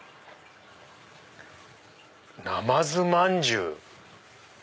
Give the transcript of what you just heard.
「なまずまんじゅう」？